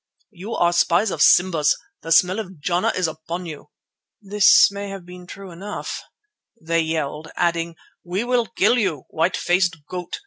"You are spies of Simba's, the smell of Jana is upon you" (this may have been true enough), they yelled, adding: "We will kill you, white faced goat.